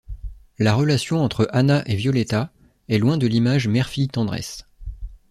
La relation entre Hanna et Violetta est loin de l'image mère-fille-tendresse.